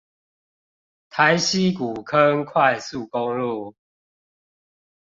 台西古坑快速公路